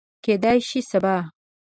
کیدای شي سبا